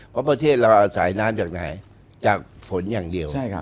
เพราะประเทศเราเอาสายน้ำจากไหนจากฝนอย่างเดียว